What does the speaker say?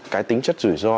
cái tính chất rủi ro